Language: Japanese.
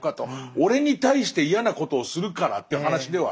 俺に対して嫌なことをするからっていう話ではなくて。